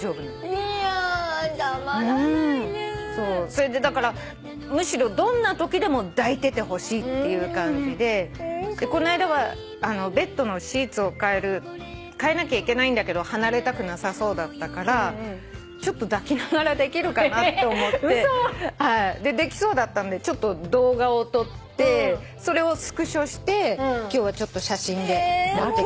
それでだからむしろどんなときでも抱いててほしいっていう感じでこの間はベッドのシーツを替えなきゃいけないんだけど離れたくなさそうだったから抱きながらできるかな？と思ってできそうだったんで動画を撮ってそれをスクショして今日は写真で持ってきました。